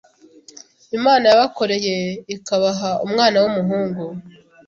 Imana yabakoreye ikabaha umwana w’umuhungu